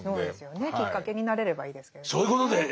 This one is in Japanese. きっかけになれればいいですけれどねえ。